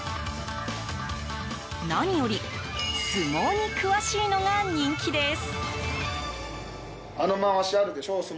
何より、相撲に詳しいのが人気です。